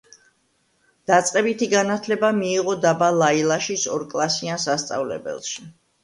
დაწყებითი განათლება მიიღო დაბა ლაილაშის ორკლასიან სასწავლებელში.